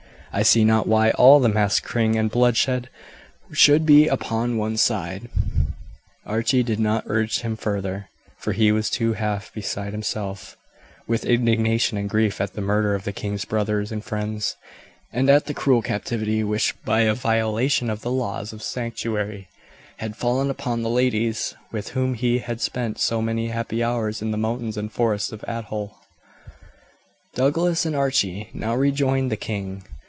I see not why all the massacreing and bloodshed should be upon one side." Archie did not urge him further, for he too was half beside himself with indignation and grief at the murder of the king's brothers and friends, and at the cruel captivity which, by a violation of the laws of sanctuary, had fallen upon the ladies with whom he had spent so many happy hours in the mountains and forests of Athole. Douglas and Archie now rejoined the king.